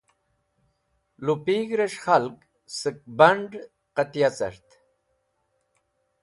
Lupig̃hrẽs̃h khalg sẽk band̃ qẽtya cart.